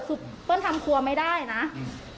คือเปิ้ลทำครัวไม่ได้นะอืม